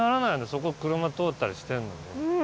そこ車通ったりしてるのに。